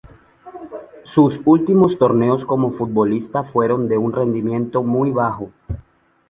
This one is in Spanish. Sus últimos torneos como futbolista fueron de un rendimiento muy bajo.